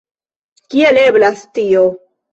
Kiel eblas tio?